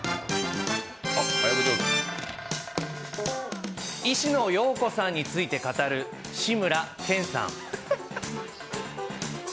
いしのようこさんについて語る志村けんさん。